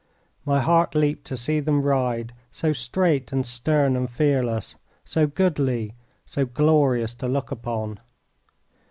My heart leaped to see them ride, so straight and stern and fearless, so goodly, so glorious to look upon.